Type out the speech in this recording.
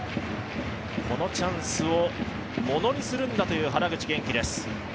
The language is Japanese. このチャンスをものにするんだという原口元気です。